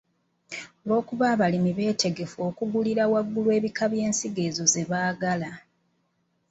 Olw’okuba abalimi beetegefu okugulira waggulu ebika by’ensigo ezo ze baagala.